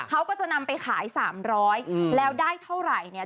เขาก็จะนำไปขาย๓๐๐แล้วได้เท่าไหร่เนี่ย